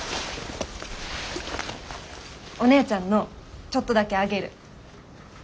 おねえちゃんのちょっとだけあげる。